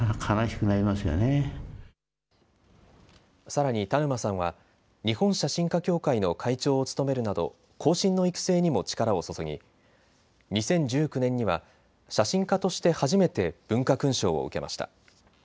さらに田沼さんは日本写真家協会の会長を務めるなど後進の育成にも力を注ぎ２０１９年には写真家として初めて文化勲章を受けました。